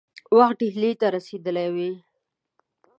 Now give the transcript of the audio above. وخت ډهلي ته رسېدلی وای.